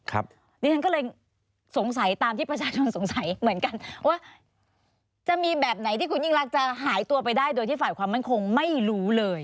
ดิฉันก็เลยสงสัยตามที่ประชาชนสงสัยเหมือนกันว่าจะมีแบบไหนที่คุณยิ่งรักจะหายตัวไปได้โดยที่ฝ่ายความมั่นคงไม่รู้เลย